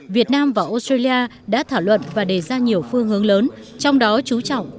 việt nam và australia đã thảo luận và đề ra nhiều phương hướng lớn